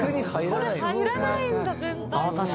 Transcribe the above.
「これ入らないんだ